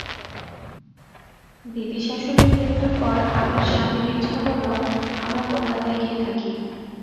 দিদিশাশুড়ির মৃত্যুর পর আমার স্বামীর ইচ্ছা হল আমরা কলকাতায় গিয়ে থাকি।